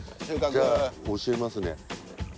じゃあ教えますね。